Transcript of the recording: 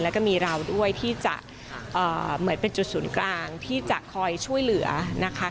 แล้วก็มีเราด้วยที่จะเหมือนเป็นจุดศูนย์กลางที่จะคอยช่วยเหลือนะคะ